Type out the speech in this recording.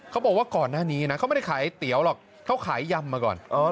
ก่อนหน้านี้นะเขาไม่ได้ขายเตี๋ยวหรอกเขาขายยำมาก่อน